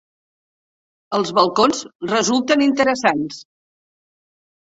Els balcons resulten interessants.